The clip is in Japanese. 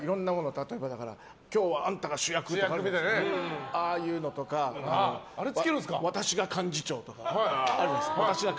例えば今日はあんたが主役！とかああいうのとか私が幹事！とかあるじゃないですか。